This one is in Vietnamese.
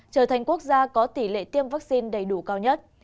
trở thành quốc gia có tỷ lệ tiêm vaccine đầy đủ cao nhất